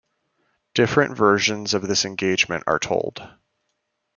Different versions of this engagement are told.